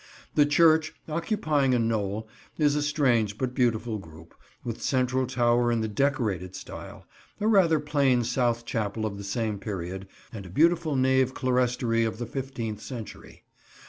The church, occupying a knoll, is a strange but beautiful group, with central tower in the Decorated style, a rather plain south chapel of the same period, and a beautiful nave clerestory of the fifteenth century.